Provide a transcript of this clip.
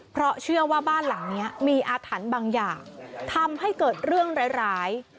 เพราะเชื่อว่าบ้านหลังนี้มีอาถรรพ์บางอย่างทำให้เกิดเรื่องร้าย